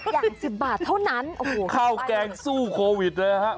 อย่าง๑๐บาทเท่านั้นข้าวแกงสู้โควิดนะครับ